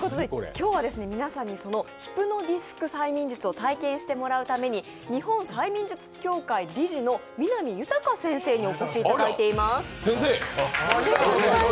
今日は皆さんにそのヒプノディスク催眠術を体験してもらうために日本催眠術協会理事の南裕先生にお越しいただいています。